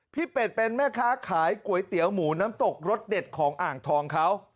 เป็ดเป็นแม่ค้าขายก๋วยเตี๋ยวหมูน้ำตกรสเด็ดของอ่างทองเขา